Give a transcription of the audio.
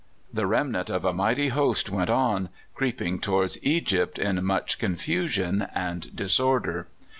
The remnant of a mighty host went on, creeping towards Egypt in much confusion and disorder.